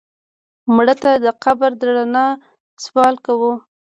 مړه ته د قبر د رڼا سوال کوو